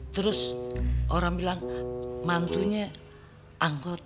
terus orang bilang mantunya angkot